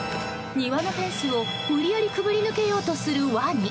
庭のフェンスを無理やり潜り抜けようとするワニ。